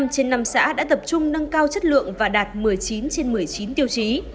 một mươi trên năm xã đã tập trung nâng cao chất lượng và đạt một mươi chín trên một mươi chín tiêu chí